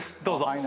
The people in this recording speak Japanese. どうぞ。